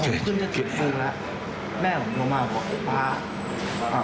พอผมเริ่มจะจนถึงถึงแล้วแม่ผมโทรมาบอกอุปป๊าอ่ะใจอีกเต็ม